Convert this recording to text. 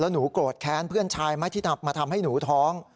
หนูโกรธแค้นเพื่อนชายไหมที่มาทำให้หนูท้อง